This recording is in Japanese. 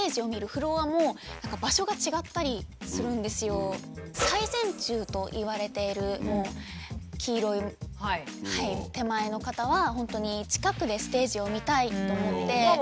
そのタイプによって「最前厨」といわれている黄色い手前の方は本当に近くでステージを見たいと思って。